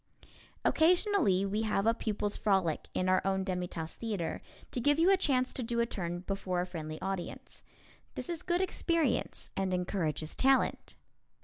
Occasionally we have a Pupils' Frolic in our own Demi Tasse Theatre, to give you a chance to do a turn before a friendly audience. This is good experience and encourages talent.